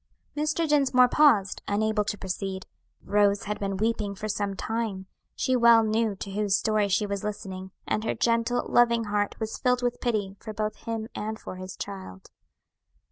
Mr. Dinsmore paused, unable to proceed. Rose had been weeping for some time. She well knew to whose story she was listening, and her gentle, loving heart was filled with pity for both him and for his child.